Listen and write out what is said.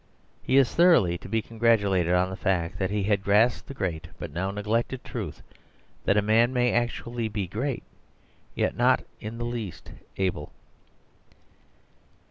He is thoroughly to be congratulated on the fact that he had grasped the great but now neglected truth, that a man may actually be great, yet not in the least able.